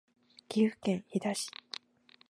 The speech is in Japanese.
岐阜県飛騨市